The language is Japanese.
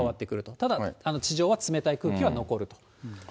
ただ、地上波冷たい空気が残ると。